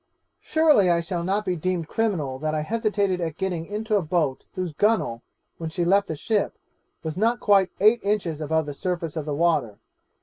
'Surely I shall not be deemed criminal that I hesitated at getting into a boat whose gunnel, when she left the ship, was not quite eight inches above the surface of the water.